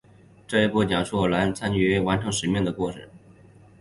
这一部讲述兰博参与美军营救越战战俘遭背叛后独自生存并完成使命的故事。